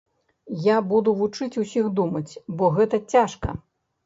Я буду вучыць усіх думаць, бо гэта цяжка.